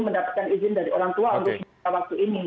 mendapatkan izin dari orang tua untuk membuka waktu ini